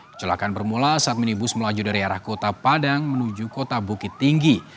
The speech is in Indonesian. kecelakaan bermula saat minibus melaju dari arah kota padang menuju kota bukit tinggi